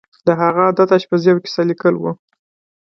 د هغه عادت آشپزي او کیسه لیکل وو